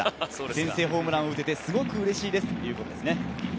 先制ホームランを打ててすごくうれしいですということです。